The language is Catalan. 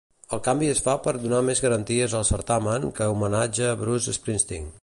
El canvi es fa per donar més garanties al certamen, que homenatja Bruce Springsteen.